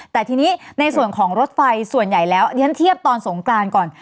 แต่ทีนี้ในส่วนของรถไฟส่วนใหญ่แล้วเรียนเทียบตอนสงกรานก่อน